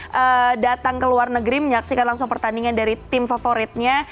kalau bang donny ini pertama kali datang ke luar negeri menyaksikan langsung pertandingan dari tim favoritnya